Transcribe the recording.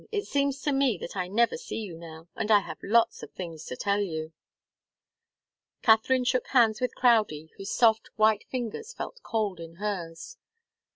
It seems to me that I never see you now and I have lots of things to tell you." Katharine shook hands with Crowdie, whose soft, white fingers felt cold in hers.